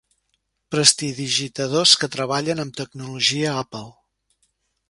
Prestidigitadors que treballen amb tecnologia Apple.